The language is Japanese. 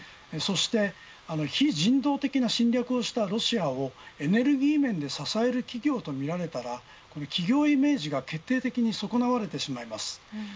そして非人道的な侵略をしたロシアをエネルギー面で支える企業とみられたら企業イメージが決定的に損なわれてしまいます。